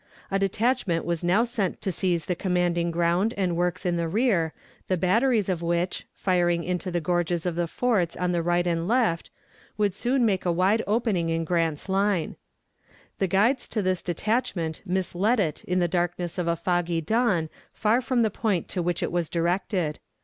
A detachment was now sent to seize the commanding ground and works in the rear, the batteries of which, firing into the gorges of the forts on the right and left, would soon make a wide opening in Grant's line. The guides to this detachment misled it in the darkness of a foggy dawn far from the point to which it was directed.